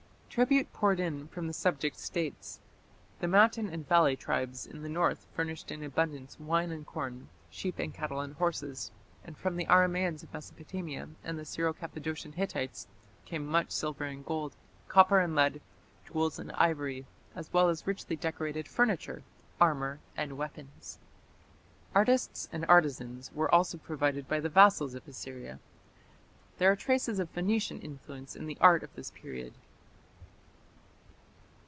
Tribute poured in from the subject States. The mountain and valley tribes in the north furnished in abundance wine and corn, sheep and cattle and horses, and from the Aramaeans of Mesopotamia and the Syro Cappadocian Hittites came much silver and gold, copper and lead, jewels and ivory, as well as richly decorated furniture, armour and weapons. Artists and artisans were also provided by the vassals of Assyria. There are traces of Phoenician influence in the art of this period.